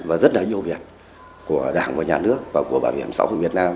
và rất là nhiều việc của đảng và nhà nước và của bảo hiểm xã hội việt nam